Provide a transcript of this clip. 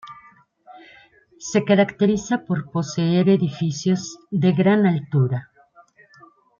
Se caracteriza por poseer edificios de gran altura.